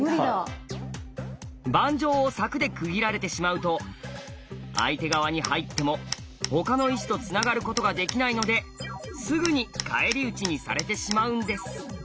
盤上を柵で区切られてしまうと相手側に入っても他の石とつながることができないのですぐに返り討ちにされてしまうんです。